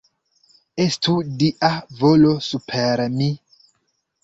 Estu Dia volo super mi!